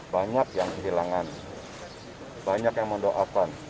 banyak yang kehilangan banyak yang mendoakan